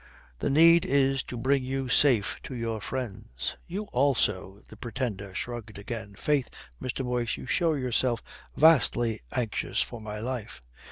The need is to bring you safe to your friends." "You also!" The Pretender shrugged again. "Faith, Mr. Boyce, you show yourself vastly anxious for my life.